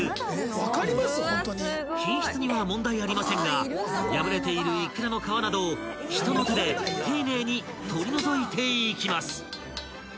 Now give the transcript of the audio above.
［品質には問題ありませんが破れているいくらの皮などを人の手で丁寧に取り除いていきます］